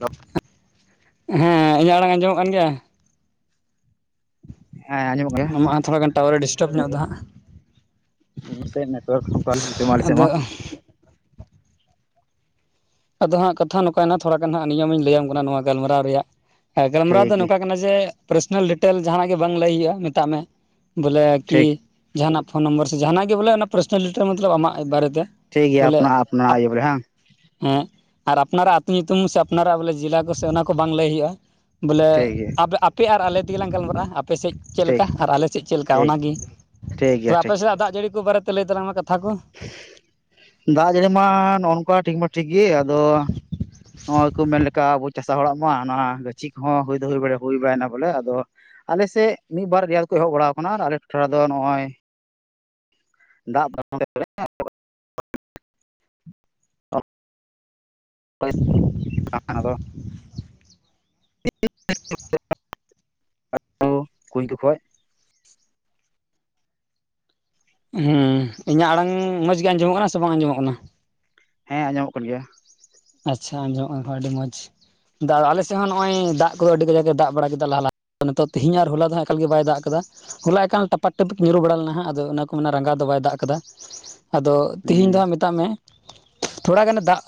ᱨ ᱦᱮᱸ ᱤᱧᱟᱹᱜ ᱟᱲᱟᱝ ᱟᱸᱡᱚᱢᱚᱜ ᱠᱟᱱ ᱜᱮᱭᱟ? ᱦᱮᱸ ᱟᱸᱡᱚᱢᱚᱜ ᱜᱮᱭᱟ ᱟᱢᱟᱜ ᱛᱷᱚᱲᱟ ᱜᱟᱱ ᱴᱟᱣᱟᱨᱮ ᱰᱤᱥᱴᱟᱵᱽ ᱧᱚᱜ ᱫᱚ ᱦᱟᱸᱜ ᱱᱚᱛᱮ ᱱᱮᱴᱣᱟᱨᱠ ᱠᱚ ᱵᱟᱞᱮ ᱥᱟᱜ ᱟᱞᱮ ᱥᱮ ᱟᱫᱚ ᱢᱟ ᱟᱫᱚ ᱦᱟᱸᱜ ᱠᱟᱛᱷᱟ ᱱᱚᱝᱠᱱᱟ ᱛᱷᱚᱲᱟ ᱜᱟᱱ ᱦᱟᱸᱜ ᱱᱤᱭᱚᱢ ᱤᱧ ᱞᱟᱹᱭᱟᱢ ᱠᱟᱱᱟ ᱱᱚᱣᱟ ᱜᱟᱞᱢᱟᱨᱟᱣ ᱨᱮᱭᱟᱜ ᱜᱟᱞᱢᱟᱨᱟᱣ ᱴᱷᱤᱠ ᱫᱚ ᱜᱮ ᱱᱚᱝᱠᱟ ᱠᱟᱱᱟ ᱡᱮ ᱯᱟᱨᱥᱚᱱᱟᱞ ᱰᱤᱴᱮᱞ ᱡᱟᱦᱱᱟᱜ ᱜᱮ ᱵᱟᱝ ᱞᱟᱹᱭ ᱦᱩᱭᱩᱜᱼᱟ ᱢᱮᱛᱟᱜ ᱢᱮ ᱵᱚᱞᱮ ᱠᱤ ᱴᱷᱤᱠ ᱡᱟᱦᱟᱸᱱᱟᱜ ᱯᱷᱳᱱ ᱱᱚᱢᱵᱚᱨ ᱥᱮ ᱡᱟᱦᱱᱟᱜ ᱜᱮ ᱵᱚᱞᱮ ᱚᱱᱟ ᱯᱟᱨᱥᱱᱟᱞᱤᱤᱴᱟᱨ ᱢᱚᱛᱞ ᱟᱟᱜᱟᱨᱮᱛᱮ ᱴᱷᱤᱠ ᱜᱮᱮᱭᱟ ᱟᱯ ᱟᱯ ᱳᱵᱮ ᱦᱮᱸ ᱦᱮᱸ ᱟᱨ ᱟᱯᱱᱟᱨᱟᱜ ᱟᱹᱛᱩ ᱧᱩᱛᱩᱢ ᱥᱮ ᱟᱯᱱᱟᱨᱟᱜ ᱵᱚᱞᱮ ᱡᱮᱞᱟ ᱠᱚᱥ ᱚᱱᱟ ᱠᱚ ᱵᱟᱝ ᱞᱟᱹᱭ ᱦᱩᱭᱩᱜᱼᱟ ᱵᱚᱞᱮ ᱴᱷᱤᱠ ᱜᱮᱭᱟ ᱟᱯᱮ ᱟᱨ ᱟᱞᱮ ᱛᱮᱜᱮᱞᱟᱝ ᱜᱟᱞᱢᱟᱨᱟᱜᱼᱟ ᱟᱯᱮᱥᱮᱫ ᱪᱮᱫ ᱴᱷᱤᱠ ᱞᱮᱠᱟ ᱟᱨ ᱟᱞᱮ ᱥᱮᱫ ᱪᱮᱫ ᱞᱮᱠᱟ ᱴᱷᱤᱠ ᱚᱱᱟᱜᱮ᱾ ᱴᱷᱤᱠ ᱜᱮᱭᱟ ᱛᱚᱵᱮ ᱟᱯᱮ ᱴᱷᱤᱠ ᱥᱮᱱᱟᱜ ᱫᱟᱜ ᱡᱟᱹᱲᱤ ᱠᱚ ᱵᱟᱨᱮᱛᱮ ᱞᱟᱹᱭ ᱛᱟᱞᱟᱢᱟ ᱠᱟᱛᱷᱟ ᱠᱚ ᱫᱟᱜ ᱡᱟᱹᱲᱤ ᱢᱟ ᱱᱚᱜᱚ ᱱᱚᱝᱠᱟ ᱴᱷᱤᱠ ᱢᱟ ᱴᱷᱤᱠ ᱜᱮ ᱟᱫᱚ ᱱᱚᱜᱚᱭ ᱠᱚ ᱢᱮᱱ ᱞᱮᱠᱟ ᱟᱵᱚ ᱪᱟᱥᱟ ᱦᱚᱲᱟᱜ ᱢᱟ ᱱᱚᱣᱟ ᱜᱟᱹᱪᱷᱤ ᱠᱚᱦᱚᱸ ᱦᱩᱭ ᱫᱚ ᱦᱩᱭ ᱵᱟᱲ ᱦᱩᱭ ᱵᱟᱲᱟᱭᱮᱱᱟ ᱵᱚᱞᱮ ᱟᱫᱚ ᱟᱞᱮᱥᱮᱫ ᱢᱤᱫ ᱵᱟᱨ ᱨᱮᱭᱛ ᱠᱚ ᱮᱦᱚᱵ ᱵᱟᱲᱟᱟᱣ ᱟᱠᱟᱱᱟ ᱟᱞᱮ ᱴᱚᱴᱷᱟ ᱨᱮᱫᱚ ᱱᱚᱜᱼᱚᱭ ᱫᱟᱜ ᱵᱟᱝ ᱚ ᱦ [unintelligible] [unintelligible] ᱠᱩᱧ ᱡᱠᱷᱚᱡ ᱦᱮᱸ ᱤᱧᱟᱹᱜ ᱟᱲᱟᱝ ᱢᱚᱡᱽ ᱜᱮ ᱟᱸᱡᱚᱢᱚᱜ ᱠᱟᱱᱟ ᱥᱮ ᱵᱟᱝ ᱟᱸᱡᱚᱢᱚᱜ ᱠᱟᱱᱟ? ᱦᱮᱸ ᱟᱸᱡᱚᱢᱚᱜ ᱠᱟᱱ ᱜᱮᱭᱟ ᱟᱪᱪᱷᱟ ᱟᱸᱡᱚᱢᱚᱜ ᱠᱟᱱ ᱠᱷᱟᱱ ᱟᱹᱰᱤ ᱢᱚᱸᱡᱽ ᱟᱞᱮ ᱥᱮᱫ ᱦᱚᱸ ᱱᱚᱜ ᱚᱭ ᱫᱟᱜ ᱠᱚᱫᱚ ᱟᱹᱰᱤ ᱠᱟᱡᱟᱠ [inaudible] ᱮ ᱫᱟᱜ ᱵᱟᱲᱟ ᱠᱮᱫᱟ ᱞᱟᱦᱟ ᱞᱟ ᱱᱤᱛᱚᱜ ᱛᱮᱦᱤᱧ ᱟᱨ ᱦᱚᱞᱟ ᱫᱚ ᱮᱠᱟᱞ ᱜᱮ ᱵᱟᱭ ᱫᱟᱜ ᱠᱟᱫᱟ ᱦᱚᱞᱟ ᱮ ᱠᱟᱱ ᱴᱟᱯᱟᱠ ᱴᱟᱯᱤᱠ ᱧᱩᱨᱩ ᱵᱟᱲᱟ ᱞᱮᱱᱟ ᱦᱟᱜᱸ ᱟᱫᱚ ᱚᱱᱟ ᱠᱚ ᱢᱟᱱᱮ ᱨᱟᱸᱜᱟ ᱫᱚ ᱵᱟᱭ ᱫᱟᱜ ᱠᱟᱫᱟ ᱟᱫᱚ ᱦᱩᱸ ᱛᱮᱦᱤᱧ ᱫᱚ ᱦᱟᱸᱜ ᱢᱮᱛᱟᱜ ᱢᱮ ᱛᱷᱚᱲᱟ ᱜᱟᱱᱮ ᱫᱟᱜ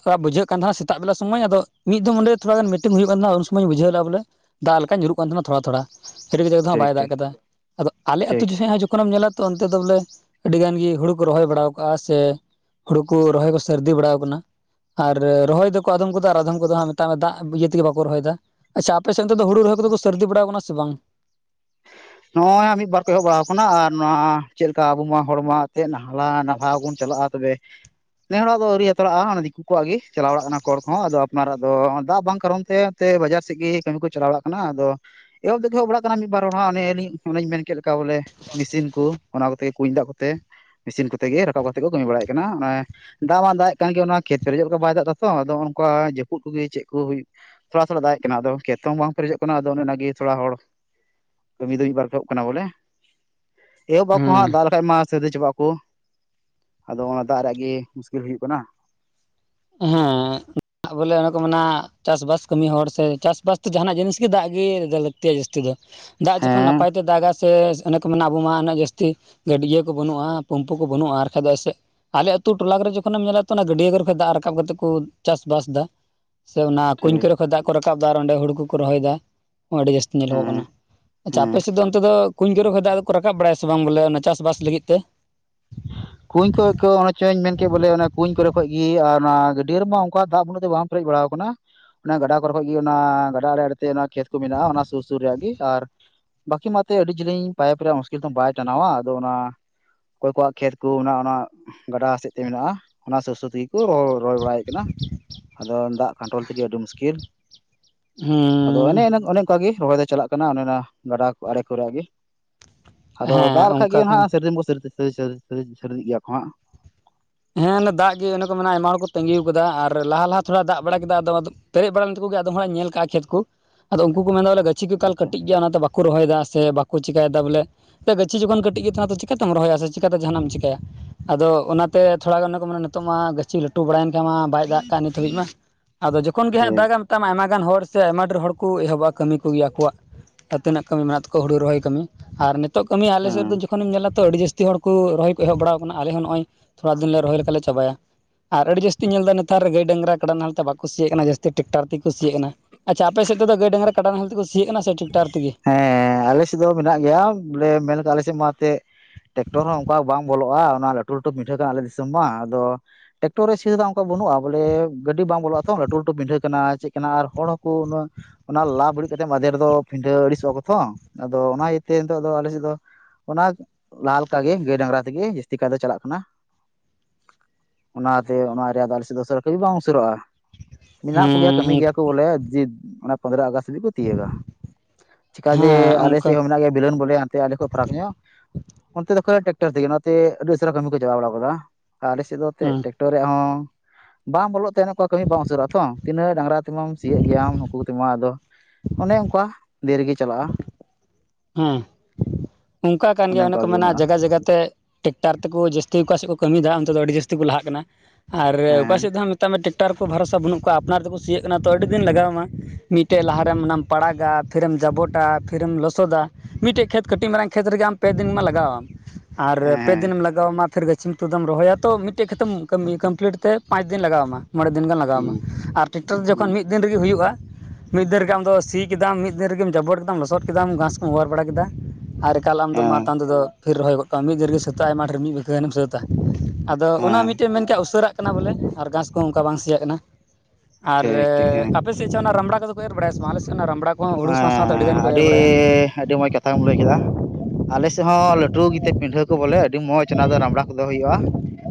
ᱟᱜ ᱵᱩᱡᱷᱟᱹᱜ ᱠᱟᱱ ᱛᱟᱦᱮᱸᱫ ᱥᱮᱛᱟᱜ ᱵᱮᱞᱟ ᱥᱚᱢᱚᱭ ᱟᱫᱚ ᱢᱤᱫᱤᱱ ᱚᱰᱮ ᱛᱷᱚᱲᱟ ᱜᱟᱱ ᱢᱤᱴᱤᱝ ᱦᱩᱭᱩᱜ ᱠᱟᱱ ᱛᱟᱦᱮᱸᱱᱟ ᱩᱱᱥᱚᱢᱚᱭᱮᱧ ᱵᱩᱡᱷᱟᱹᱣ ᱞᱮᱫᱟ ᱵᱚᱞᱮ ᱫᱟᱜ ᱞᱮᱠᱟ ᱧᱩᱨᱩᱜ ᱠᱟᱱ ᱛᱟᱦᱮᱱᱟ ᱛᱷᱚᱲᱟ ᱛᱷᱚᱲᱟ ᱠᱟᱛᱟᱮᱫᱦᱚ ᱸ ᱴᱷᱤᱠ ᱵᱟᱭ ᱫᱟᱜ ᱴᱷᱤᱠ ᱠᱟᱫᱟ ᱟᱫᱚ ᱟᱞᱮ ᱟᱹᱛᱩ ᱴᱷᱤᱠ ᱡᱚᱠᱷᱮᱡ ᱦᱚᱸ ᱛᱚᱠᱷᱚᱱᱮᱢ ᱧᱮᱞᱟ ᱛᱚ ᱚᱱᱛᱮ ᱫᱚ ᱵᱚᱞᱮ ᱟᱹᱰᱤ ᱜᱟᱱ ᱜᱮ ᱦᱩᱲᱩ ᱠᱚ ᱨᱚᱦᱚᱭ ᱵᱟᱲᱟᱣ ᱠᱟᱜᱼᱟ ᱥᱮ ᱦᱩᱲᱩ ᱠᱚ ᱨᱚᱦᱚᱭ ᱠᱚ ᱥᱟᱹᱨᱫᱤ ᱵᱟᱲᱟᱣ ᱟᱠᱟᱱᱟ ᱟᱨ ᱨᱚᱦᱚᱭ ᱫᱚᱠᱚ ᱟᱫᱷᱚᱢ ᱠᱚᱫᱚ ᱟᱨ ᱟᱫᱷᱚᱢ ᱠᱚᱫᱚ ᱢᱮᱛᱟᱜ ᱢᱮ ᱫᱟᱜ ᱤᱭᱟᱹ ᱛᱮᱜᱮ ᱵᱟᱠᱚ ᱨᱚᱦᱚᱭᱮᱫᱟ ᱟᱪᱪᱷᱟ ᱟᱯᱮᱱᱮᱫ ᱦᱲᱩ ᱨᱩ ᱠᱚᱫᱚ ᱥᱟᱨᱫᱤ ᱵᱟᱟᱣ ᱟᱠᱟᱱᱟ ᱥᱮ ᱵᱟᱝ ᱱᱚᱜᱼᱚᱭ ᱢᱤᱫ ᱵᱟᱨ ᱠᱚ ᱮᱦᱚᱵ ᱵᱟᱲᱟᱣ ᱟᱠᱟᱱᱟ ᱟᱨ ᱱᱚᱣᱟ ᱪᱮᱫ ᱞᱮᱠᱟ ᱟᱵᱚ ᱢᱟ ᱦᱚᱲᱢᱟ ᱪᱮᱫ ᱱᱟᱦᱞᱟ ᱱᱟᱞᱦᱟ ᱵᱚᱱ ᱪᱟᱞᱟᱜᱼᱟ ᱛᱚᱵᱮ ᱯᱮ ᱦᱚᱲᱟᱜ ᱫᱚ ᱟᱹᱣᱨᱤ ᱦᱟᱛᱟᱲᱟᱜᱼᱟ ᱚᱱᱟ ᱫᱤᱠᱩ ᱠᱚᱣᱟᱜ ᱜᱮ ᱪᱟᱞᱟᱣ ᱵᱟᱲᱟᱜ ᱠᱟᱱᱟ ᱠᱚ ᱦᱚᱲ ᱠᱚᱦᱚᱸ ᱟᱫᱚ ᱟᱯᱱᱟᱨᱟᱜ ᱫᱚ ᱫᱟᱜ ᱵᱟᱝ ᱠᱟᱨᱚᱱ ᱛᱮ- ᱛᱮ ᱵᱟᱡᱟᱨ ᱥᱮᱫ ᱜᱮ ᱠᱟᱹᱢᱤ ᱠᱚ ᱪᱟᱞᱟᱣ ᱵᱟᱲᱟᱜ ᱠᱟᱱᱟ ᱟᱫᱚ ᱮᱦᱚᱵ ᱫᱚᱠᱚ ᱮᱦᱚᱵ ᱵᱟᱲᱟᱜ ᱠᱟᱱᱟ ᱢᱤᱫ ᱵᱟᱨ ᱦᱚᱲᱟᱜ ᱦᱟᱱᱮ- ᱚᱱᱟᱧ ᱢᱮᱱᱠᱮᱫ ᱞᱮᱠᱟ ᱵᱚᱞᱮ ᱢᱮᱥᱤᱱ ᱠᱚ ᱚᱱᱟ ᱠᱚᱛᱮ ᱠᱩᱧ ᱫᱟᱜ ᱠᱚᱛᱮ ᱢᱮᱥᱤᱱ ᱠᱚᱛᱮ ᱜᱮ ᱨᱟᱠᱟᱵ ᱠᱟᱛᱮ ᱠᱚ ᱠᱟᱹᱢᱤ ᱵᱟᱲᱟᱭᱮᱫ ᱠᱟᱱᱟ ᱚᱱᱮ ᱫᱟᱜ ᱢᱟ ᱫᱟᱜ ᱮᱜ ᱠᱟᱱ ᱜᱮ ᱱᱚᱣᱟ ᱠᱷᱮᱛ ᱯᱨᱮᱡᱚᱜ ᱞᱮᱠᱟ ᱵᱟᱭ ᱫᱟᱜ ᱮᱫᱟᱛᱚ ᱟᱫᱚ ᱚᱱᱠᱟ ᱡᱟᱹᱯᱩ ᱠᱚᱜᱮ ᱪᱮᱫ ᱠᱚ ᱦᱩᱭᱩᱜ ᱛᱷᱚᱲᱟ ᱛᱷᱚᱲᱟ ᱫᱟᱜᱮᱡ ᱠᱟᱱᱟ ᱟᱫᱚ ᱠᱷᱮᱛ ᱦᱚᱸ ᱵᱟᱝ ᱯᱮᱨᱮᱡᱚᱜ ᱠᱟᱱᱟ ᱟᱫᱚ ᱚᱱᱮ ᱚᱱᱟᱜᱮ ᱛᱷᱚᱲᱟ ᱦᱚᱲ ᱠᱟᱹᱢᱤ ᱫᱚᱧ ᱵᱟᱨ ᱠᱚ ᱠᱟᱱᱟ ᱵᱚᱞᱮ ᱮᱦᱳ ᱵᱟᱠᱚ ᱦᱩᱸ ᱦᱟᱸᱜ ᱫᱟᱜ ᱞᱮᱠᱷᱟᱡ ᱢᱟ ᱥᱫᱤ ᱪᱟᱵᱟᱜ ᱟᱠᱚ ᱟᱫᱚ ᱚᱱᱟ ᱫᱟᱜ ᱨᱮᱭᱟᱜ ᱜᱮ ᱢᱩᱥᱠᱤᱞ ᱦᱩᱭᱩᱜ ᱠᱟᱱᱟ ᱦᱮᱸ ᱵᱚᱞᱮ ᱚᱱᱮ ᱠᱚ ᱢᱮᱱᱟ ᱪᱟᱥᱵᱟᱥ ᱠᱟᱹᱢᱤ ᱦᱚᱲ ᱥᱮ ᱪᱟᱥᱵᱟᱥ ᱫᱚ ᱡᱟᱦᱱᱟᱜ ᱡᱤᱱᱤᱥ ᱜᱮ ᱫᱟᱜ ᱜᱮ ᱞᱟᱹᱠᱛᱤᱭᱟ ᱡᱟᱹᱥᱛᱤ ᱫᱚ ᱫᱟᱜ ᱡᱚᱠᱷᱚᱱ ᱦᱮᱸ ᱱᱟᱯᱟᱭᱛᱮ ᱫᱟᱜᱟ ᱥᱮ ᱚᱱᱮ ᱠᱚ ᱢᱮᱱᱟ ᱟᱵᱚ ᱢᱟ ᱩᱱᱟᱹᱜ ᱡᱟᱹᱥᱛᱤ ᱜᱟᱹᱰᱭᱟᱹ ᱠᱚ ᱵᱟᱹᱱᱩᱜᱼᱟ ᱯᱩᱢᱯᱩ ᱠᱚ ᱵᱟᱹᱱᱩᱜᱼᱟ ᱟᱨ ᱵᱟᱠᱷᱟᱡ ᱫᱚ ᱮᱥᱮᱫ ᱟᱞᱮ ᱟᱹᱛᱩ ᱴᱚᱞᱟ ᱠᱚᱨᱮ ᱡᱚᱠᱷᱱᱮᱢ ᱧᱮᱞᱟ ᱚᱱᱟ ᱜᱰᱭᱟᱹ ᱠᱚᱨᱮ ᱠᱷᱚᱱ ᱫᱟᱜ- ᱨᱟᱠᱟᱵ ᱠᱟᱛᱮ ᱠᱚ ᱪᱟᱥᱵᱟᱥ ᱫᱟ ᱥᱮ ᱚᱱᱟ ᱠᱩᱧ ᱴᱷᱤᱠ ᱠᱚᱨᱮ- ᱫᱟᱜ ᱠᱚ ᱨᱟᱠᱟᱵ ᱫᱟ ᱟᱨ ᱚᱸᱰᱮ ᱦᱩᱲᱩ ᱠᱚᱠᱚ ᱨᱚᱦᱚᱭᱮᱫᱟ ᱟᱹᱰᱤ ᱡᱟᱹᱥᱛᱤ ᱧᱮᱞᱚᱜᱚᱜ ᱦᱮᱸ ᱠᱟᱱᱟ ᱟᱪᱪᱷᱟ ᱦᱮᱸ ᱟᱯᱮᱥᱮᱫ ᱫᱚ ᱚᱱᱛᱮ ᱫᱚ ᱠᱩᱧ ᱠᱚᱨᱮ ᱠᱷᱚᱱ ᱫᱟᱜ ᱟ ᱫᱚ ᱠᱚ ᱨᱟᱠᱟᱵ ᱵᱟᱲᱟᱭᱟ ᱥᱮ ᱵᱟᱝ ᱵᱚᱞᱮ ᱚᱱᱟ ᱪᱟᱥᱵᱟᱥ ᱞᱟᱹᱜᱤᱫ ᱛᱮ ᱠᱩᱸᱧ ᱠᱷᱚᱡ ᱠᱚ ᱪᱚᱧ ᱢᱮᱱ ᱠᱮᱫ ᱵᱚᱞᱮ ᱚᱱᱟ ᱠᱩᱸᱧ ᱠᱚᱨᱮ ᱠᱷᱚᱡ ᱜᱮ ᱟᱨ ᱚᱱᱟ ᱜᱟᱹᱰᱤᱭᱟᱹ ᱨᱮᱢᱟ ᱚᱱᱠᱟ ᱫᱟᱜ ᱵᱩᱜ ᱫᱚ ᱵᱟᱝ- ᱯᱮᱨᱮᱡ ᱵᱟᱲᱟᱣ ᱟᱠᱟᱱᱟ ᱚᱱᱟ ᱜᱟᱰᱟ ᱠᱚᱨᱮ ᱠᱷᱚᱡ ᱜᱮ ᱚᱱᱟ ᱜᱟᱰᱟ ᱟᱲᱮ ᱟᱲᱮ ᱛᱮ ᱠᱷᱮᱛ ᱠᱚ ᱢᱮᱱᱟᱜᱼᱟ ᱚᱱᱟ ᱥᱩᱨ ᱥᱩᱨ ᱨᱮᱭᱟᱜ ᱜᱮ ᱟᱨ ᱵᱟᱠᱤ ᱢᱟᱛᱮ ᱟᱹᱰᱤ ᱡᱤᱞᱤᱧ ᱯᱟᱭᱤᱯ ᱨᱮᱭᱟᱜ ᱢᱩᱥᱠᱤᱞ ᱫᱚ ᱵᱟᱭ ᱴᱟᱱᱟᱣᱟ ᱟᱫᱚ ᱚᱱᱟ ᱚᱠᱚᱭ ᱠᱚᱣᱟᱜ- ᱠᱷᱮᱛ ᱠᱚ ᱚᱱᱟ ᱚᱱᱟ ᱜᱟᱰᱟ ᱥᱮᱫ ᱛᱮ ᱢᱮᱱᱟᱜᱼᱟ ᱚᱱᱟ ᱥᱩᱨ ᱥᱩᱨ ᱛᱮᱜᱮ- ᱠᱚ ᱨ ᱨᱚᱦᱚᱭ ᱵᱟᱲᱟᱭᱮᱫ ᱠᱟᱱᱟ ᱟᱫᱚ ᱫᱟᱜ ᱠᱚᱱᱴᱨᱳᱞ ᱛᱮᱜᱮ ᱟᱹᱰᱤ ᱢᱩᱥᱠᱤᱞ ᱟᱫᱚ ᱚᱱᱮ ᱦᱮᱸ ᱚᱱᱮ- ᱚᱱᱠᱟᱜᱮ ᱨᱚᱦᱚᱭ ᱫᱚ ᱪᱟᱞᱟᱜ ᱠᱟᱱᱟ ᱚᱱᱮ ᱚᱱᱟ ᱜᱟᱰᱟ ᱟᱲᱮ ᱠᱚᱨᱮ ᱜᱮ ᱟᱫᱚ ᱫᱟᱜ ᱦᱮᱸ ᱞᱮᱠᱷᱟᱡ ᱚᱱᱠᱟ ᱜᱮ ᱠᱟᱱ ᱦᱟᱸᱜ ᱥᱟᱹᱨᱫᱤ ᱵ ᱥᱟᱹᱨᱤᱫᱤ ᱜᱮᱭᱟ ᱠᱚ ᱦᱟᱸᱜ ᱦᱮᱸ ᱚᱱᱟ ᱫᱟᱜ ᱜᱮ ᱚᱱᱮ ᱠᱚ ᱢᱮᱱᱟ ᱟᱭᱢᱟ ᱦᱚᱲ ᱠᱚ ᱛᱟᱹᱜᱤᱣ ᱠᱟᱫᱟ ᱟᱨ ᱞᱟᱦᱟ ᱞᱟᱦᱟ ᱛᱷᱚᱲᱟ ᱫᱟᱜ ᱵᱟᱲᱟ ᱠᱮᱫᱟ ᱟᱫᱚ ᱚᱱᱟᱫᱚ ᱯᱮᱨᱮᱡ ᱵᱟᱲᱟ ᱞᱮᱱᱛᱟᱠᱚ ᱜᱮ ᱟᱫᱚᱢ ᱦᱚᱲᱟ ᱧᱮᱞ ᱠᱟᱜ ᱠᱷᱮᱛ ᱠᱚ ᱟᱫᱚ ᱩᱱᱠᱩ ᱠᱚ ᱢᱮᱱᱫᱟ ᱵᱚᱞᱮ ᱜᱟᱹᱪᱷᱤ ᱠᱚ ᱠᱟᱞ ᱟᱪᱪᱷᱟ ᱠᱟᱹᱴᱤᱡ ᱜᱮᱭᱟ ᱚᱱᱟ ᱫᱚ ᱵᱟ- ᱵᱟᱠᱚ ᱨᱚᱦᱚᱭᱮᱫᱟ ᱥᱮ ᱵᱟᱠᱚ ᱪᱮᱠᱟᱭᱮᱫᱟ ᱵᱚᱞᱮ ᱜᱟᱹᱪᱷᱤ ᱡᱠᱷᱚᱱ ᱠᱟᱹᱴᱤᱡ ᱜᱮ ᱛᱟᱦᱮᱱᱟ ᱛᱚ ᱪᱤᱠᱟᱛᱮᱢ ᱨᱚᱦᱚᱭᱟ ᱥᱮ ᱪᱤᱠᱟᱛᱮ ᱡᱟᱦᱟᱱᱟᱜ ᱮᱢ ᱪᱤᱠᱟᱹᱭᱟ ᱟᱫᱚ ᱚᱱᱟ- ᱛᱮ ᱛᱷᱚᱲᱟ ᱜᱟᱱ ᱠᱚ ᱢᱮᱱᱟ ᱱᱤᱛᱚᱜ ᱢᱟ ᱜᱟᱹᱪᱷᱤ ᱞᱟᱹᱴᱩ ᱵᱟᱲᱟᱭᱮᱱ ᱠᱷᱟᱱ ᱢᱟ ᱵᱟᱭ ᱫᱟᱜ ᱱᱤᱛ ᱦᱟᱹᱵᱤᱡ ᱢᱟ ᱟᱫᱚ ᱡᱚᱠᱷᱚᱱ ᱜᱮ ᱴᱷᱤᱠ ᱦᱟᱸᱜ ᱫᱟᱜᱟᱢ ᱴᱷᱤᱠ᱾ ᱢᱮᱛᱟᱢᱟ ᱟᱭᱢᱟ ᱜᱟᱱ ᱦᱚᱲ ᱥᱮ ᱟᱭᱢᱟ ᱰᱷᱮᱨ ᱦᱚᱲ ᱠᱚ ᱮᱦᱚᱵᱚᱜᱼᱟ ᱠᱟᱹᱢᱤ ᱠᱚᱜᱮ ᱟᱠᱚᱣᱟᱜ ᱟᱛᱮᱱᱟᱜ ᱠᱟᱹᱢᱤ ᱢᱮᱱᱟᱜ ᱛᱟᱠᱚᱣᱟ ᱦᱩᱲᱩ ᱨᱚᱦᱚᱭ ᱠᱟᱹᱢᱤ ᱟᱨ ᱱᱤᱛ- ᱱᱤᱛᱚᱜ ᱠᱟᱹᱢᱤ ᱟᱞᱮ ᱦᱮᱸ ᱥᱮᱫ ᱫᱚ ᱡᱚᱠᱷᱚᱱᱮᱢ ᱧᱮᱞᱟ ᱛᱚ ᱟᱹᱰᱤ ᱡᱟᱹᱥᱛᱤ ᱦᱚᱲ ᱠᱚ ᱨᱚᱦᱚᱭ ᱠᱚ ᱮᱦᱚᱵ ᱵᱟᱲᱟᱣ ᱟᱠᱟᱱᱟ ᱟᱞᱮ ᱦᱚᱸ ᱱᱚᱜᱼᱚᱭ ᱾ ᱛᱷᱚᱲᱟ ᱫᱤᱱ ᱞᱮ ᱨᱚᱦᱚᱭ ᱞᱮᱠᱷᱟᱡ ᱞᱮ ᱪᱟᱵᱟᱭᱟ ᱾ ᱟᱨ ᱟᱹᱰᱤ ᱡᱟᱹᱥᱛᱤ ᱧᱮᱞ ᱮᱫᱟ ᱱᱮᱛᱟᱨ ᱨᱮᱜᱮ ᱰᱟᱝᱨᱟ ᱠᱟᱰᱟ ᱱᱟᱦᱮᱞᱛᱮ ᱵᱟᱠᱚ ᱥᱤᱭᱟᱜ ᱠᱟᱱᱟ ᱡᱟᱹᱥᱛᱤ ᱴᱨᱟᱠᱴᱟᱨ ᱛᱮᱜᱮᱠᱚ ᱥᱤᱭᱟᱜ ᱠᱟᱱᱟ ᱟᱪᱪᱷᱟ ᱟᱯᱮᱥᱮᱫᱚ ᱫᱟ ᱜᱟ ᱰᱟᱝᱨᱟ ᱠᱟᱰᱟ ᱱᱟᱦᱮᱞ ᱛᱮᱠᱚ ᱥᱤᱭᱟᱜ ᱠᱟᱱᱟ ᱥᱮ ᱴᱨᱟᱠᱴᱟᱨ ᱛᱮᱜᱮ ᱮᱫ ᱫᱚ [inaudible] ᱢᱮᱱᱟᱜ ᱜᱮᱭᱟ ᱵᱚᱞᱮ ᱢᱮᱱ ᱟᱞᱮᱥᱮᱫ ᱢᱟ ᱮᱱᱛᱮᱫ ᱴᱨᱮᱠᱴᱚᱨ ᱦᱚᱸ ᱚᱱᱠᱟ ᱵᱟᱝ ᱵᱚᱞᱚᱜᱼᱟ ᱚᱱᱟ ᱞᱟᱹᱴᱩ ᱞᱟᱹᱴᱩ ᱢᱤᱴᱷᱟᱹ ᱠᱟᱱᱟ ᱟᱞᱮ ᱫᱤᱥᱚᱢ ᱢᱟ ᱟᱫᱚ ᱴᱨᱟᱠᱴᱚᱨ ᱨᱮ ᱥᱤᱭᱮᱫᱟ ᱚᱱᱠᱟ ᱵᱟᱹᱱᱩᱜᱼᱟ ᱵᱚᱞᱮ ᱜᱟᱹᱰᱤ ᱵᱟᱝ ᱵᱚᱞᱚᱜᱼᱟ ᱛᱚ ᱞᱟᱹᱴᱩ ᱞᱟᱹᱴᱩ ᱵᱤᱰᱟᱹ ᱠᱟᱱᱟ ᱪᱮᱫ ᱠᱟᱱᱟ ᱟᱨ ᱦᱚᱲ ᱦᱚᱸᱠᱚ ᱚᱱᱟ ᱞᱟ ᱵᱟᱹᱲᱤᱡ ᱠᱟᱛᱮ ᱢᱟᱫᱷᱮ ᱨᱮᱫᱚ ᱯᱤᱰᱷᱟᱹ ᱟᱹᱲᱤᱥᱚᱜᱼᱟᱚ ᱛᱚ ᱟᱫᱚ ᱚᱱᱟ ᱤᱭᱟᱹᱛᱮ ᱱᱤᱛᱚᱜ ᱫᱚ ᱟᱞᱮ ᱥᱮᱫ ᱫᱚ ᱚᱱᱟ ᱞᱟᱦᱟ ᱞᱮᱠᱟᱜᱮ ᱜᱟᱹᱭ ᱰᱟᱝᱨᱟ ᱛᱮᱜᱮ ᱡᱟᱹᱥᱛᱤ ᱠᱟᱭ ᱫᱚ ᱪᱟᱞᱟᱜ ᱠᱟᱱᱟ ᱚᱱᱟᱛᱮ ᱚᱱᱟ ᱨᱮᱭᱟᱜ ᱟᱞ ᱥᱮᱫ ᱫᱚᱥᱟᱹᱨᱟ ᱠᱟᱹᱤᱡ ᱵᱟᱝ ᱩᱥᱟᱹᱨᱚᱜᱼᱟ ᱾ ᱢᱮᱱᱟᱜ ᱠᱚᱜᱮᱭᱟ ᱠᱟᱹᱢᱤ ᱦᱮᱸ ᱜᱮᱭᱟ ᱠᱚ ᱵᱚᱞᱮ ᱡᱮᱚᱱᱮ ᱯᱚᱸᱫᱽᱨᱚ ᱟᱜᱚᱥᱴ ᱦᱟᱹᱵᱤᱡ ᱠᱚ ᱛᱤᱭᱳᱜᱟ ᱾ ᱪᱮᱠᱟᱹ ᱦᱮᱸ ᱡᱮ ᱟᱞᱮᱥᱮᱫ ᱚᱱᱠᱟ ᱦᱚᱸ ᱢᱮᱱᱟᱜ ᱜᱮᱭᱟ ᱵᱤᱞᱚᱱ ᱵᱚᱞᱮᱭᱟ ᱾ ᱟᱞᱮ ᱠᱷᱚᱡ ᱯᱷᱟᱨᱟᱠ ᱧᱚᱜ ᱚᱱᱛᱮ ᱫᱚ ᱠᱷ ᱴᱨᱟᱠᱴᱟᱨ ᱛᱮᱜᱮ ᱱᱚᱛᱮ ᱟᱹᱰᱤ ᱩᱥᱟᱨᱟ ᱠᱟᱹᱢᱤ ᱠᱚ ᱪᱟᱵᱟ ᱵᱟᱲᱟ ᱟᱠᱟᱫᱟ ᱾ ᱟᱞᱮᱥᱮᱫ ᱫᱚ ᱮᱱᱛᱮᱫ ᱦᱮᱸ ᱴᱮᱠᱴᱚᱨ ᱨᱮᱭᱟᱜ ᱦᱚᱸ ᱵᱟᱝ ᱵᱚᱞᱚᱜ ᱛᱟᱦᱮᱱᱠᱟ ᱠᱟᱹᱢᱤ ᱵᱟᱝᱢ ᱩᱪᱩᱨᱚᱜᱼᱟ ᱛᱚ ᱛᱤᱱᱟᱹᱜ ᱰᱟᱝᱨᱟ ᱛᱮᱢᱟᱢ ᱥᱤᱭᱳᱜ ᱜᱮᱭᱟᱢ ᱱᱩᱠᱩ ᱠᱚ ᱛᱮᱢ ᱟᱫᱚ ᱚᱱᱮ ᱚᱱᱠᱟ ᱫᱨᱤᱜᱮ ᱪᱟᱞᱟᱜᱼᱟ ᱾ ᱦᱮᱸ ᱚᱱᱠᱟ ᱠᱟᱱ ᱜᱮᱭᱟ ᱚᱱᱮ ᱚᱱᱠᱟ ᱠᱚ ᱜᱮ ᱢᱮ ᱢᱮᱱᱟᱜᱼᱟ ᱡᱟᱭᱜᱟ ᱡᱟᱭᱜᱟᱛᱮ ᱴᱮᱠᱴᱟᱨ ᱛᱮᱠᱚ ᱡᱟᱹᱥᱛᱤ ᱚᱠᱟ ᱥᱮᱫ ᱠᱚ ᱠᱟᱹᱢᱤᱭᱮᱫᱟ ᱚᱱᱛᱮ ᱫᱚ ᱟᱹᱰᱤ ᱡᱟᱹᱥᱛᱤ ᱠᱚ ᱞᱟᱦᱟᱜ ᱠᱟᱱᱟ ᱾ ᱟᱨ ᱚᱠᱟ ᱦᱮᱸ ᱥᱮᱫ ᱫᱚᱦ ᱢᱮᱛᱟᱜ ᱢᱮ ᱴᱮᱠᱴᱟᱨ ᱠᱚ ᱵᱷᱚᱨᱥᱟ ᱵᱟᱹᱱᱩᱜ ᱠᱚᱣᱟ ᱟᱯᱱᱟᱨ ᱨᱮ ᱫᱚᱠᱚ ᱠᱩᱥᱤᱭᱟᱹᱜ ᱠᱟᱱᱟ ᱛᱚ ᱟᱹᱰᱤ ᱫᱤᱱ ᱞᱟᱜᱟᱣᱟᱢᱟ ᱢᱤᱫᱴᱮᱡ ᱞᱟᱦᱟᱨᱮᱢ ᱚᱱᱟᱢ ᱯᱟᱲᱟᱜᱟ ᱯᱷᱤᱨᱮᱢ ᱡᱟᱵᱚᱴᱟ ᱯᱷᱤᱨᱮᱢ ᱞᱚᱥ ᱥᱚᱫᱟ ᱢᱤᱫᱴᱮᱱ ᱠᱷᱮᱛ ᱠᱟᱹᱴᱤᱡ ᱢᱟᱨᱟᱝ ᱠᱷᱮᱛ ᱨᱮᱜᱮ ᱟᱢ ᱯᱮ ᱫᱤᱱᱢᱟ ᱞᱟᱜᱟᱣᱟᱢ ᱟᱨ ᱦᱮᱸ ᱯᱮ ᱦᱮᱸ ᱫᱤᱱᱮᱢ ᱞᱟᱜᱟᱣᱟ ᱾ ᱞᱟᱜᱟᱣᱟᱢᱟ ᱯᱷᱤᱨ ᱜᱟᱹᱪᱷᱤᱩᱛᱩ ᱫᱚᱢ ᱨᱚᱦᱚᱭᱟ ᱛᱚ ᱢᱤᱫᱴᱮᱡ ᱠᱷᱮᱛᱢ ᱠᱚᱢᱯᱞᱤᱴ ᱛᱮ ᱯᱟᱸᱪ ᱫᱤᱱ ᱞᱟᱜᱟᱣᱟᱢᱟ ᱢᱚᱬᱮ ᱫᱤᱱ ᱜᱟᱱ ᱞᱟᱜᱟᱣ ᱟᱢᱟ ᱟᱨ ᱴᱠᱴᱟᱨ ᱦᱩᱸ ᱡᱚᱠᱷᱚᱱ ᱢᱤᱫ ᱫᱤᱱ ᱨᱮᱜᱮ ᱦᱩᱭᱩᱜᱼᱟ ᱾ ᱢᱤᱫ ᱫᱤᱱ ᱨᱮᱜᱮ ᱟᱢ ᱫᱚ ᱥᱤ ᱠᱮᱫᱟᱢ ᱢᱤᱫ ᱫᱤᱱ ᱨᱮᱜᱮᱢ ᱡᱟᱵᱚᱨ ᱠᱮᱫᱟᱢ ᱞᱚᱥᱚᱫ ᱠᱮᱫᱟᱢ ᱜᱟᱥ ᱚᱣᱟᱨ ᱵᱟᱲᱟ ᱠᱮᱫᱟ ᱟᱨ ᱮᱠᱟᱞ ᱟᱢ ᱫᱚ ᱦᱮᱸ ᱢᱟᱛ ᱛᱟᱢ ᱛᱮᱫ ᱯᱷᱤᱨ ᱨᱚᱦᱚᱭ ᱜᱚᱫ ᱠᱟᱜ ᱢᱮ ᱢᱤᱫ ᱫᱷ ᱨᱮ ᱜᱮ ᱥᱟᱹᱛᱟᱹᱜᱼᱟ ᱟᱭᱢᱟ ᱰᱷᱮᱨ ᱢᱤᱫ ᱵᱤᱜᱷᱟᱹ ᱜᱟᱱ ᱮᱢ ᱥᱟ. ᱛ ᱾ ᱟᱫᱚ ᱚᱱᱟ ᱦᱮᱸ ᱢᱤᱫᱴᱮᱡ ᱢᱮᱱ ᱠᱮᱫᱟ ᱩᱥᱟᱹᱨᱟᱜ ᱠᱟᱱᱟ ᱵᱚᱞᱮ ᱟᱨ ᱜᱷᱟᱸᱥ ᱠᱚᱦᱚᱸ ᱚᱱᱠᱟ ᱵᱟᱝ ᱥᱤᱭᱟᱜ ᱠᱟᱱᱟ ᱾ ᱟᱨ ᱴᱷᱤᱠ ᱴᱷᱤᱠ ᱦᱮᱸ ᱟᱯᱮ ᱥᱮᱫ ᱪᱮ ᱚᱱᱟ ᱨᱟᱢᱲᱟ ᱠᱚᱫᱚ ᱠᱚ ᱮᱨ ᱵᱟᱲᱟᱭᱟ ᱥᱮ ᱵᱟᱝ ᱟᱞᱮ ᱥᱮᱫ ᱚᱱᱟ ᱨᱟᱢᱲᱟ ᱠᱚ ᱠᱚᱦᱚᱸ ᱦᱩᱲᱩ ᱥᱟᱶ ᱥᱟᱶᱛᱮ ᱦᱮᱸ ᱟᱹᱰᱤᱜᱟᱱ ᱮᱨ ᱟᱹᱰᱤ ᱵᱟᱲᱟᱭᱟ ᱟᱹᱰᱤ ᱢᱚᱸᱡᱽ ᱠᱟᱛᱷᱟ ᱠᱟᱛᱷᱟᱢ ᱞᱟᱹᱭ ᱠᱮᱫᱟ ᱟᱞᱮᱮᱥᱮᱫ ᱦᱚᱸ ᱞᱟᱹᱴᱩ ᱜᱮᱛᱮ ᱯᱤᱰᱟᱹ ᱠᱚ ᱵᱚᱞᱮ ᱟᱹᱰᱤ ᱢᱚᱸᱡᱽ ᱚᱱᱟ ᱫᱚ ᱨᱟᱢᱲᱟ ᱠᱚᱫᱚ ᱦᱩᱭᱩᱜᱼᱟ ᱾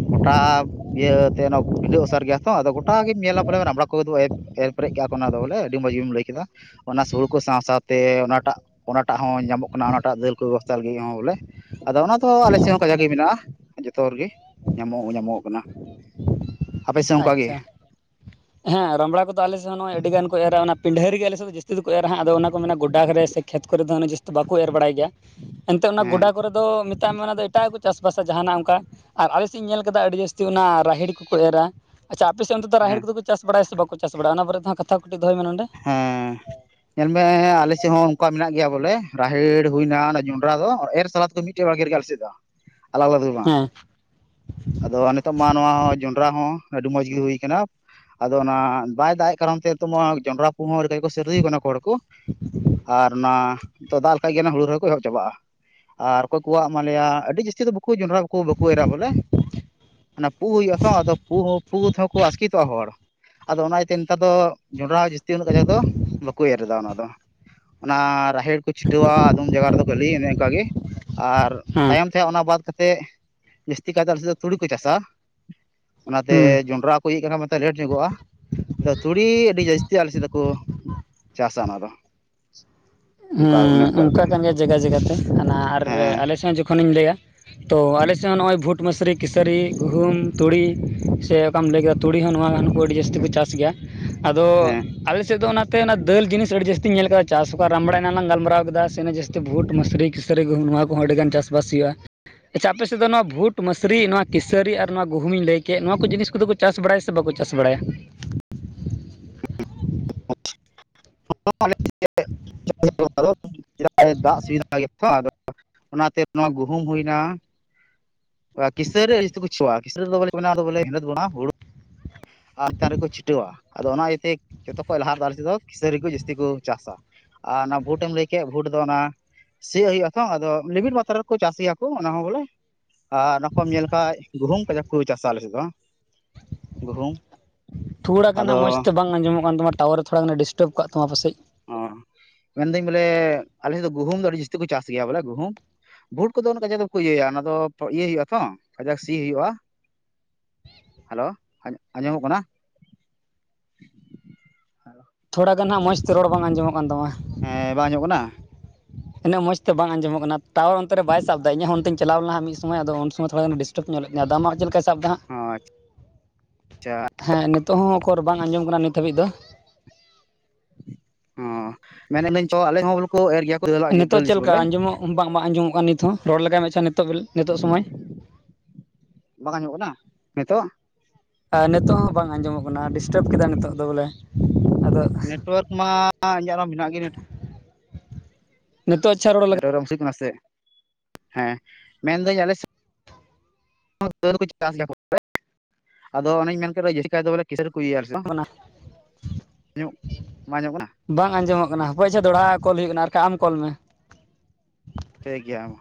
ᱜᱚᱴᱟ ᱤᱭᱟᱹᱛᱮ ᱚᱱᱟ ᱯᱤᱰᱟᱹ ᱚᱥᱟᱨ ᱜᱮᱭᱟ ᱛᱚ ᱟᱫᱚ ᱜᱚᱴᱟ ᱜᱮᱢ ᱧᱮᱞᱟ ᱵᱚᱞᱮ ᱨᱟᱵᱲᱟ ᱠᱚᱫᱚ ᱮᱠ ᱮᱨ ᱯᱮᱨᱮᱡ ᱠᱼᱟ ᱠᱚ ᱚᱱᱟ ᱫᱚ ᱵᱚᱞᱮ ᱟᱹᱰᱤ ᱢᱚᱸᱡᱽ ᱜᱮᱢ ᱞᱟᱹᱭ ᱠᱮᱫᱟ ᱾ ᱚᱱᱟ ᱥᱩᱲᱩ ᱠᱚ ᱥᱟᱶ ᱥᱟᱶᱛᱮ ᱚᱱᱟᱴᱟᱜ ᱚᱱᱟᱴᱟᱜ ᱦᱚᱸ ᱧᱟᱢᱚᱜ ᱠᱟᱱᱟ ᱚᱱᱟᱴᱟᱜ ᱫᱟᱹᱞ ᱠᱚ ᱵᱮᱵᱚᱥᱛᱟ ᱞᱟᱹᱜᱤᱫ ᱦᱚᱸ ᱵᱚᱞᱮ ᱟᱫᱚ ᱚᱱᱟ ᱫᱚ ᱟᱞᱮ ᱥᱮᱫ ᱦᱚᱸᱠᱟ ᱡᱟᱜᱮ ᱢᱮᱱᱟᱜᱼᱟ ᱡᱚᱛᱚ ᱨᱮᱜᱮ ᱜᱮ ᱧᱟᱢᱚᱜ ᱧᱟᱢᱚᱜ ᱠᱟᱱᱟ ᱾ ᱟᱪᱷᱟ ᱾ ᱦᱮᱸ ᱨᱟᱢᱲᱟ ᱠᱚᱫᱚ ᱟᱞᱮᱮᱫ ᱦᱚᱸᱜᱼᱚᱭ ᱟᱹᱰᱤ ᱜᱟᱱ ᱠᱚ ᱮᱨᱟ ᱚᱱᱟ ᱯᱤᱰᱷᱟᱹ ᱨᱤ ᱜᱮ ᱟᱞᱮ ᱥᱮᱫ ᱫᱚ ᱡᱟᱹᱥᱛᱤ ᱫᱚ ᱮᱨᱟ ᱦᱟᱸ ᱟᱫᱚ ᱚᱱᱟ ᱢᱮ ᱢᱮᱱᱟᱜᱼᱟ ᱜᱚᱰᱟᱜ ᱨᱮ ᱥᱮ ᱠᱷᱮᱛ ᱠᱚᱨᱮ ᱫᱚ ᱚᱱᱟ ᱡᱥᱛᱤ ᱵᱟᱠᱚ ᱮᱨ ᱵᱟᱲᱟᱭ ᱜᱮᱭᱟ ᱾ ᱮᱱᱛᱮᱫ ᱚᱱᱟ ᱦᱮᱸ ᱜᱚᱰᱟ ᱠᱚᱨᱮ ᱫᱚ ᱢᱮᱛᱟᱜ ᱢᱮ ᱚᱱᱟ ᱫᱚ ᱮᱴᱟᱜᱟᱜ ᱠᱚ ᱪᱟᱥᱵᱟᱥᱟ ᱡᱟᱦᱟᱸᱱᱟᱜ ᱚᱱᱠᱟ ᱟᱨ ᱟᱞᱮ ᱥᱮᱫ ᱤᱧ ᱧᱮᱞ ᱟᱠᱟᱫᱟ ᱟᱹᱰᱤ ᱡᱟᱹᱥᱛᱤ ᱚᱱᱟ ᱨᱟᱦᱮᱦᱲ ᱠᱚᱠᱚ ᱮᱨᱟ ᱟᱪᱷᱟ ᱟᱯᱮᱥᱮᱫ ᱚᱱᱛᱮ ᱫᱚ ᱨᱟᱦᱮᱲ ᱦᱮᱸ ᱠᱚᱫᱚ ᱠᱚ ᱪᱟᱥ ᱵᱟᱲᱟᱭᱟ ᱥᱮ ᱵᱟᱠᱚ ᱪᱟᱥ ᱵᱟᱲᱟᱭ ᱚᱱᱟ ᱵᱟᱨᱮ ᱛᱮᱦᱸ ᱠᱟᱛᱷᱟ ᱠᱟᱴᱤᱡ ᱫᱚᱭ ᱢᱮ ᱱᱚᱰᱮ ᱦ [inaudible] ᱧᱮᱞ ᱢᱮ ᱟᱞᱮ ᱥᱮᱫ ᱦᱚᱸ ᱚᱱᱠᱟ ᱢᱮᱱᱟᱜ ᱜᱮᱭᱟ ᱵᱚᱞᱮ ᱨᱟᱦᱮᱲ ᱦᱩᱭᱱᱟ ᱚᱱᱟ ᱡᱚᱸᱰᱨᱟ ᱫᱚ ᱮᱨ ᱥᱟᱞᱟᱫ ᱫᱚ ᱢᱤᱫ ᱢᱤᱴᱮᱡ ᱵᱟᱲᱜᱮ ᱨᱮᱜᱮ ᱟᱞᱮ ᱥᱮᱛ ᱫᱚ ᱟᱞᱟᱫᱟ ᱫᱚ ᱵᱟᱝ [unintelligible] ᱦᱮ [inaudible] ᱟᱫᱚ ᱱᱤᱛᱚᱜ ᱢᱟ ᱱᱚᱣᱟ ᱦᱚᱸ ᱡᱚᱱᱰᱨᱟ ᱦᱚᱸ ᱟᱹᱰᱤ ᱢᱚᱸᱡᱽ ᱜᱮ ᱦᱩᱭ ᱠᱟᱱᱟ ᱾ ᱟᱫᱚ ᱚᱱᱟ ᱵᱟᱭ ᱫᱟᱜ ᱮ ᱠᱟᱨᱚᱱ ᱛᱮ ᱛᱚ ᱡᱚᱸᱰᱨᱟ ᱯᱩᱦᱚᱸ ᱦᱚᱸ ᱥᱟᱹᱨᱫᱤ ᱠᱟᱱᱟ ᱦᱩᱭ ᱠᱟᱱᱟ ᱠᱚ ᱟᱨ ᱚᱱᱟ ᱛ ᱫᱟᱜ ᱞᱮᱠᱷᱟᱡ ᱜᱮ ᱦᱩᱲᱩ ᱨᱚᱦᱚᱭ ᱠᱚ ᱮᱦᱚᱵ ᱪᱟᱵᱟᱜᱼᱟ ᱾ ᱟᱨ ᱚᱠᱚᱭ ᱠᱚᱣᱟᱜ ᱢᱮᱭᱟ ᱟᱹᱰᱤ ᱡᱟᱹᱥᱛᱤ ᱫᱚ ᱵᱟᱠᱚ ᱡᱚᱱᱰᱨᱟ ᱵᱟᱠᱚ ᱮᱨᱟ ᱵᱚᱞᱮ ᱚᱱᱟ ᱯᱩ ᱦᱩᱭᱩᱜ ᱟ ᱛᱚ ᱟᱫᱚ ᱯᱩ ᱛᱮᱦᱚᱸᱠᱚ ᱟᱥᱠᱮ ᱪᱠᱤᱛᱚᱜᱼᱟ ᱦᱚᱲ ᱟᱫᱚ ᱚᱱᱟ ᱤᱭᱟᱹᱛᱮ ᱱᱮᱛᱟᱨ ᱫᱚ ᱡᱚᱸᱰᱨᱟ ᱡᱟᱥ ᱡᱟᱹᱥᱛᱤ ᱩᱱᱟᱹᱜ ᱠᱟᱡᱟᱠ ᱫᱚ ᱵᱟᱠᱚ ᱮᱨ ᱮᱫᱟ ᱚᱱᱟ ᱫᱚ ᱚᱱᱟ ᱨᱟᱦᱮᱲ ᱠᱚ ᱪᱷᱤᱴᱟᱹᱣᱟ ᱟᱫᱚᱢ ᱡᱟᱭᱜᱟ ᱨᱮᱫᱚ ᱠᱷᱟᱹᱞᱤ ᱚᱱᱮ ᱚᱱᱠᱟ ᱜᱮ ᱟᱨ ᱦᱮᱸ ᱛᱟᱭᱚᱢ ᱛᱮ ᱚᱱᱟ ᱵᱟᱫᱽ ᱠᱟᱛᱮᱫ ᱡᱟᱹᱥᱛᱤ ᱠᱟᱭᱛᱮ ᱟᱞᱮ ᱥᱮᱫ ᱫᱚ ᱛᱩᱲᱤ ᱠᱚ ᱪᱟᱥᱟ ᱚᱱᱟ ᱛᱮ ᱦᱩᱸ ᱡᱚᱱᱰᱨᱟ ᱤᱭᱟᱹᱜ ᱠᱟᱱᱟ ᱞᱮᱴ ᱧᱚᱜᱚᱜᱼᱟ ᱟᱫᱚ ᱛᱩᱲᱤ ᱟᱹᱰᱤ ᱡᱟᱹᱥᱛᱤ ᱟᱞᱮ ᱥᱮᱫ ᱫᱚᱠᱚ ᱪᱟᱥᱟ ᱚᱱᱟᱫᱚ ᱦᱮᱸ ᱚᱱᱠᱟ ᱠᱟᱱ ᱜᱮᱭᱟ ᱡᱟᱜᱟ ᱡᱟᱜᱟᱛᱮ ᱦᱟᱱᱟ ᱟᱨ ᱦᱮᱸ ᱟᱞᱮ ᱥᱮᱫ ᱡᱚᱠᱷᱚᱱᱤᱧ ᱞᱟᱹᱭᱟ ᱾ ᱛᱚ ᱟᱞᱮ ᱥᱮᱫ ᱦᱚᱸ ᱱᱚᱜᱼᱚᱭ ᱵᱷᱩᱴ ᱢᱥᱨᱤ ᱠᱮᱥᱟᱹᱨᱤ ᱜᱩᱦᱩᱢ ᱛᱩᱲᱤ ᱥᱮ ᱠᱟᱢ ᱞᱟᱹᱭ ᱠᱮᱫᱟ ᱛᱩᱲᱤ ᱦᱚᱸ ᱱᱚᱣᱟᱠᱩ ᱟᱹᱰᱤ ᱡᱟᱹᱥᱛᱤ ᱠᱚ ᱪᱟᱥ ᱜᱮᱭᱟ ᱟᱫᱚ ᱦᱮᱸ ᱟᱞᱮᱥᱮᱫ ᱫᱚ ᱚᱱᱟ ᱚᱱᱟ ᱫᱟᱹᱞ ᱡᱤᱱᱤᱥ ᱟᱹᱰᱤ ᱡᱟᱹᱥᱛᱤᱧ ᱧᱮᱞ ᱟᱠᱟᱫᱟ ᱪᱟᱥ ᱨᱟᱢᱵᱲᱮᱱᱟ ᱞᱟᱝ ᱜᱟᱞᱢᱟᱨᱟᱣ ᱠᱮᱫᱟ ᱥᱮᱱᱹ ᱡᱟᱹᱥᱛᱤ ᱵᱷᱩᱴ ᱢᱥᱨᱤ ᱠᱤᱥᱟᱹᱨᱤ ᱜᱩᱦᱩᱢ ᱱᱚᱣᱟ ᱠᱚᱦᱚᱸ ᱟᱹᱰᱤᱜᱟᱱ ᱪᱟᱥᱵᱟᱥ ᱦᱩᱭᱩᱜᱼᱟ ᱾ ᱟᱪᱪᱷᱟ ᱟᱯᱮ ᱥᱮᱫ ᱫᱚ ᱱᱚᱣᱟ ᱵᱷᱩᱴ ᱢᱥᱨᱤ ᱱᱚᱣᱟ ᱠᱤᱥᱟᱹᱨᱤ ᱟᱨ ᱱᱚᱣᱟ ᱜᱩᱦᱩᱢᱤᱧ ᱞᱟᱹᱭ ᱠᱮᱫ ᱱᱚᱣᱟ ᱠᱚ ᱡᱤᱱᱤᱥ ᱠᱚᱫᱚ ᱠᱚ ᱪᱟᱥ ᱵᱟᱲᱟᱭᱟ ᱥᱮ ᱵᱟᱠᱚ ᱪᱟᱥ ᱵᱟᱲᱟᱭᱟ [unintelligible] [unintelligible] ᱟᱫᱚ ᱫᱟᱜ ᱥᱩᱵᱤᱫᱷᱟ ᱜᱮᱭᱟ ᱛᱚ ᱟᱫᱚ ᱚᱱᱟᱛᱮ ᱱᱚᱣᱟ ᱜᱩᱦᱩᱢ ᱦᱩᱭ ᱮᱱᱟ ᱠᱷᱤᱥᱟᱹᱨᱤ ᱨᱮ [unintelligible] [unintelligible] ᱦᱩᱲᱩ ᱟᱨᱛᱮ ᱨᱮᱠᱚ ᱪᱷᱤᱴᱟᱹᱣᱟ ᱟᱫᱚ ᱚᱱᱟ ᱤᱭᱟᱹᱛᱮ ᱡᱚᱛᱚ ᱠᱷᱚᱡ ᱞᱟᱦᱟ ᱫᱟᱨᱮ ᱛᱮᱫᱚ ᱠᱤᱥᱟᱹᱨᱤ ᱠᱚ ᱡᱟᱹᱥᱛᱤ ᱠᱚ ᱪᱟᱥᱟ ᱟᱨ ᱚᱱᱟ ᱵᱷᱩᱴᱮᱢ ᱞᱟᱹᱭ ᱠᱮᱫ ᱵᱷᱩᱴ ᱫᱚ ᱚᱱᱟ ᱥᱤᱭᱟᱜ ᱦᱩᱭᱩᱜ ᱟᱛᱚ ᱟᱫᱚ ᱞᱤᱢᱤᱴ ᱢᱟᱛᱨᱟ ᱨᱮᱠᱚ ᱪᱟᱥ ᱜᱮᱭᱟ ᱠᱚ ᱚᱱᱟ ᱦᱚᱸ ᱵᱚᱞᱮ ᱟᱨ ᱚᱱᱟ ᱠᱚᱢ ᱧᱮᱞ ᱠᱷᱟᱡ ᱜᱩᱦᱩᱢ ᱠᱟᱡᱟᱠ ᱠᱚ ᱪᱟᱥᱟ ᱟᱞᱮᱥᱮᱫ ᱫᱚ ᱜᱩᱦᱩᱢ ᱛᱷᱚᱲᱟ ᱜᱟᱱ ᱦᱟᱜ ᱟᱫᱚ ᱢᱚᱡᱽ ᱛᱮ ᱵᱟᱝ ᱟᱸᱡᱚᱜ ᱠᱟᱱ ᱛᱟᱢᱟ ᱴᱟᱣᱟᱨ ᱛᱷᱚᱲᱟᱜᱟᱱ ᱮ ᱰᱤᱥᱴᱟᱵ ᱟᱠᱟᱫ ᱛᱟᱢᱟ ᱯᱟᱥᱮᱡ ᱚ ᱢᱮᱱ ᱮᱫᱟᱹᱧ ᱵᱚᱞᱮ ᱟᱞᱮᱫ ᱫᱚ ᱜᱩᱦᱩᱢ ᱫᱚ ᱟᱹᱰᱤ ᱡᱟᱹᱥᱛᱤ ᱠᱚ ᱪᱟᱥ ᱜᱮᱭᱟ ᱵᱚᱞᱮ ᱜᱩᱦᱩᱢ ᱵᱷᱩᱴ ᱠᱚᱫᱚ ᱠᱟᱡᱟᱠ ᱫᱚᱠᱚ ᱤᱭᱟᱹᱭᱟ ᱚᱱᱟ ᱫᱚ ᱤᱭᱟᱹᱭ ᱦᱩᱭᱩᱜᱼᱟ ᱛᱚ ᱠᱟᱡᱟᱠ ᱥᱤ ᱦᱩᱭᱩᱜᱼᱟ ᱦᱮᱞᱳ ᱟᱸᱡᱚᱢᱚᱜ ᱠᱟᱱᱟ ᱦᱮᱞᱳ ᱛᱷᱚᱲᱟᱱᱜᱟᱱ ᱦᱟᱸᱜ ᱢᱚᱸᱡᱽ ᱛᱮ ᱨᱚᱲ ᱵᱟᱝ ᱟᱸᱡᱚᱢᱚᱜ ᱠᱟᱱ ᱛᱟᱢᱟ ᱦᱮᱸ ᱵᱟᱝ ᱟᱸᱡᱚᱢᱚᱜ ᱠᱟᱱᱟ ᱩᱱᱟᱹᱜ ᱢᱚᱸᱡᱽ ᱵᱟᱝ ᱛᱮ ᱵᱟᱝ ᱟᱸᱡᱚᱜ ᱠᱟᱱᱟ ᱴᱟᱣᱟᱨ ᱚᱱᱛᱮ ᱵᱟᱭ ᱥᱟᱵ ᱮᱫᱟ ᱤᱧᱟᱜ ᱚᱱᱛᱮᱧ ᱪᱟᱞᱟᱣ ᱞᱮᱱᱟ ᱢᱤᱫ ᱥᱚᱢᱚᱭ ᱟᱫᱚ ᱩᱱ ᱥᱚᱢᱚᱭ ᱛᱷᱚᱲᱟ ᱜᱟᱱ ᱮ ᱰᱤᱥ ᱴᱟᱵ ᱧᱚᱜᱮᱫ ᱛᱤᱧᱟ ᱟᱫᱚ ᱟᱢᱟᱜ ᱪᱮᱫ ᱞᱮᱠᱟ ᱥᱟᱵ ᱮᱫᱟ ᱦᱟᱜ ᱦᱚᱸ ᱟᱪᱪᱷᱟ ᱦᱮᱸ ᱱᱤᱛᱚᱜ ᱦᱚᱸ ᱚᱠᱚᱨ ᱵᱟᱝ ᱟᱸᱡᱚᱢ ᱠᱟᱱᱟ ᱱᱤᱛ ᱦᱟᱹᱵᱤᱡ ᱫᱚ ᱚ ᱢᱮᱱᱮᱫ ᱟᱞᱤᱧ ᱟᱞᱮ ᱦᱚᱸ [unintelligible] ᱠᱚ ᱮᱨ ᱜᱮᱭᱟ ᱠᱚ ᱫᱟᱹᱞᱟᱜ ᱫᱟᱹᱞ ᱱᱤᱛᱚᱜ ᱡᱤᱱᱤᱥ ᱪᱮᱫ ᱞᱮᱠᱟ ᱵᱚᱞᱮ ᱟᱸᱡᱚᱢᱚᱜ ᱵᱟᱝ ᱟᱸᱡᱚᱢᱚᱜ ᱠᱟᱱᱟ ᱱᱤᱛ ᱦᱚᱸ ᱨᱚᱲ ᱞᱮᱜᱟᱭ ᱢᱮᱥᱮ ᱱᱤᱛᱚᱜ ᱱᱤᱛᱚᱜ ᱥᱚᱢᱚᱭ ᱵᱟᱝ ᱟᱸᱡᱚᱢᱚᱜ ᱠᱟᱱᱟ ᱱᱤᱛᱳᱜ ᱱᱤᱛᱚᱜ ᱦᱚᱸ ᱵᱟᱝ ᱟᱸᱡᱚᱢᱚᱜ ᱠᱟᱱᱟ ᱰᱤᱥᱴᱟᱵᱽ ᱠᱮᱫᱟ ᱱᱤᱛᱚᱜ ᱫᱚ ᱵᱚᱞᱮ ᱟᱫᱚ ᱱᱮᱴᱣᱟᱨᱠ ᱢᱟ ᱤᱧᱟᱹᱜ ᱦᱚᱸ ᱢᱮᱱᱟᱜ ᱜᱮ ᱱ ᱱᱤᱛᱚᱜ ᱟᱪᱪᱷᱟ ᱨᱚᱲ ᱞᱟᱜᱟᱣ ᱱᱮᱴᱳᱣᱟᱨᱠ [unintelligible] ᱠᱟᱱᱟ ᱥᱮ ᱦᱮᱸ ᱢᱮᱱᱫᱟᱹᱧ ᱟᱞᱮ ᱥᱮᱫ [unintelligible] ᱠᱚ ᱪᱟᱥ ᱜᱮᱭᱟ ᱠᱚ ᱟᱫᱚ ᱚᱱᱮᱧ ᱢᱮᱱ ᱠᱮᱫ ᱡᱟᱥᱛᱤ ᱠᱟᱭ ᱫᱚ ᱵᱚᱞᱮ ᱠᱮᱥᱟᱨᱤ ᱠᱚ ᱦᱩᱭᱩᱜᱟ ᱟᱞᱮ ᱥᱮᱫ ᱦᱚ ᱠᱟᱱᱟ ᱵᱟᱝ ᱟᱸᱡᱚᱢᱚᱜ ᱠᱟᱱᱟ ᱵᱟᱝ ᱟᱸᱡᱚᱢᱚᱜ ᱠᱟᱱᱟ ᱦᱟᱯᱚᱭ ᱪᱮ ᱫᱚᱦᱲᱟ ᱠᱚᱞ ᱦᱩᱭᱩᱜ ᱠᱟᱱᱟ ᱟᱨ ᱵᱟᱠᱷᱟᱱ ᱟᱢ ᱠᱚᱞ ᱢᱮ ᱴᱷᱤᱠ ᱜᱮᱭᱟ ᱢᱟ